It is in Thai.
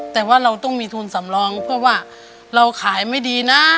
แต่ว่าเราต้องมีทุนสำรองเพื่อว่าเราขายไม่ดีนะ